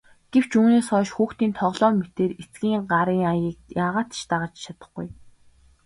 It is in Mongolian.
Гэвч үүнээс хойш хүүхдийн тоглоом мэтээр эцгийн гарын аяыг яагаад ч дагаж чадахгүй.